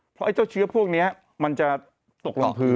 เพราะไอ้เจ้าเชื้อพวกนี้มันจะตกลงพื้น